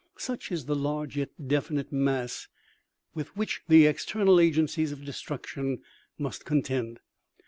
Such is the large, yet definite mass, with which the external agencies of destruction must contend.